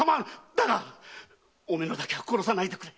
だがお美濃だけは殺さないでくれ！